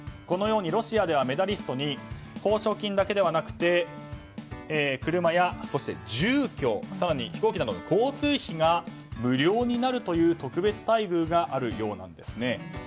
このようにロシアではメダリストに報奨金だけではなくて車や住居更に飛行機などの交通費が無料になるという特別待遇があるようなんですね。